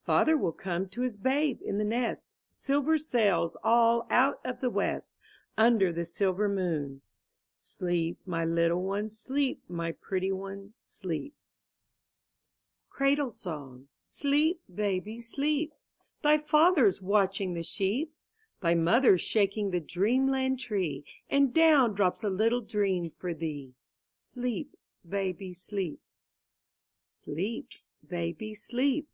Father will come to his babe in the nest. Silver sails all out of the west Under the silver moon. Sleep, my little one, sleep, my pretty/8ne, sleep. Tennyson 17 MY BOOK HOUSE CRADLE SONG Sleep, baby, sleep! Thy father's watching the sheep; Thy mother's shaking the dreamland tree,^ And down drops a little dream for thee. Sleep, baby, sleep. Sleep, baby, sleep!